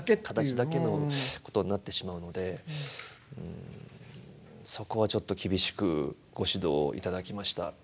形だけのことになってしまうのでそこはちょっと厳しくご指導いただきました。